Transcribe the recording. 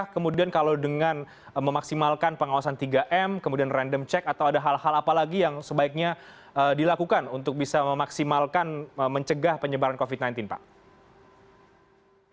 kemudian kalau dengan memaksimalkan pengawasan tiga m kemudian random check atau ada hal hal apa lagi yang sebaiknya dilakukan untuk bisa memaksimalkan mencegah penyebaran covid sembilan belas pak